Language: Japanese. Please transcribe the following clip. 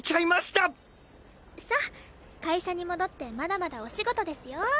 さあ会社に戻ってまだまだお仕事ですよ！